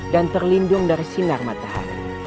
dan terlindung dari sinar matahari